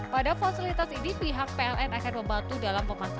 pada fasilitas ini pihak pln akan membantu dalam pemakaman